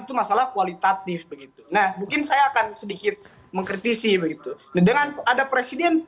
itu masalah kualitatif begitu nah mungkin saya akan sedikit mengkritisi begitu dengan ada presiden